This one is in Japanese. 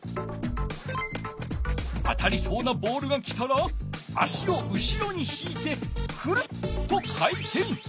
当たりそうなボールが来たら足を後ろにひいてくるっと回てん。